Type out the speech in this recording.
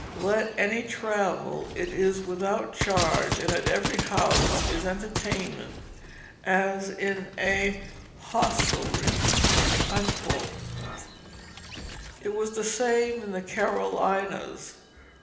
"Let any travell, it is without charge and at every house is entertainment as in a hostelry." It was the same in the Carolinas.